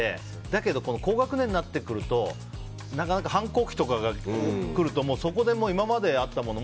だけど高学年になってくるとなかなか反抗期とかが来るとそこで今まであったもの